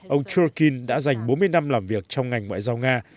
ông churkin đã dành bốn mươi năm làm việc trong ngành ngoại giao nga